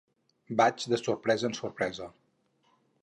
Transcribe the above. Vaig de sorpresa en sorpresa.